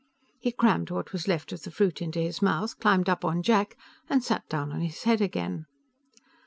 He crammed what was left of the fruit into his mouth, climbed up on Jack and sat down on his head again.